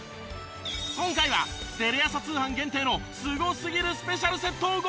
今回はテレ朝通販限定のすごすぎるスペシャルセットをご用意！